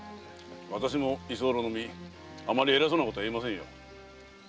私も居候の身あまり偉そうなことは言えませんよ。